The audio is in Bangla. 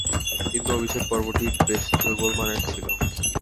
কিন্তু, অভিষেক পর্বটি বেশ দূর্বলমানের ছিল।